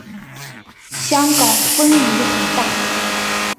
香港风雨很大